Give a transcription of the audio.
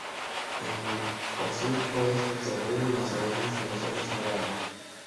El hocico es puntiagudo y las orejas y los ojos son grandes.